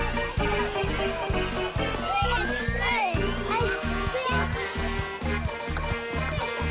はい。